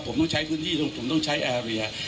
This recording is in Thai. ผมต้องใช้พื้นที่ผมต้องใช้แอร์เรีย